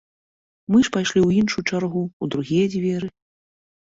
Мы ж пайшлі ў іншую чаргу, у другія дзверы.